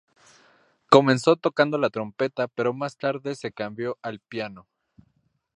Comenzó tocando la trompeta pero más tarde se cambió al piano.